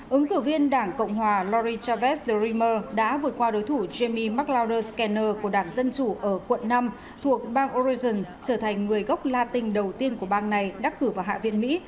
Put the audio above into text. ứng cử viên đảng cộng hòa lori chavez durimer đã vượt qua đối thủ jamie mcleod scanner của đảng dân chủ ở quận năm thuộc bang oregon trở thành người gốc latin đầu tiên của bang này đắc cử vào hạ viện mỹ